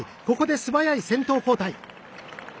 ここで素早い先頭交代。